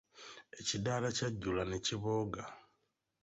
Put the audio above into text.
Ekidaala kyajjula ne kibooga.